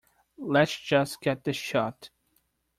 Lets just get the shot.